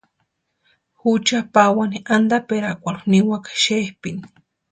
Jucha pawani antaperakwarhu niwaka xepʼini.